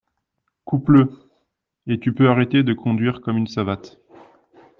Coupe-le. Et tu peux arrêter de conduire comme une savate